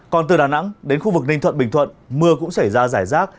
còn từ đà nẵng đến khu vực ninh thuận bình thuận mưa cũng xảy ra rải rác